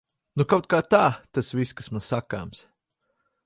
Nu kautkā tā. Tas viss, kas man sakāms.